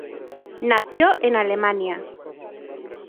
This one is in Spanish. Nació en Alemania.